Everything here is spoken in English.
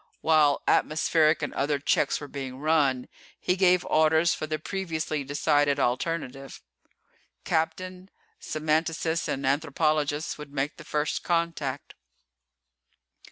While atmospheric and other checks were being run, he gave orders for the previously decided alternative. Captain, semanticist and anthropologist would make the First Contact.